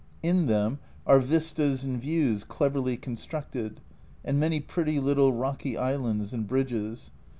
In them are vistas and views cleverly constructed, and many pretty little rocky islands and bridges.